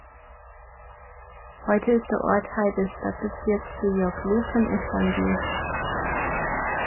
Heute ist der Ort Teil des Stadtbezirks Beyoğlu von Istanbul.